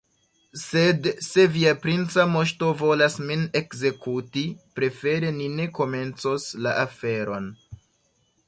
Sed se via princa moŝto volas min ekzekuti, prefere ni ne komencos la aferon.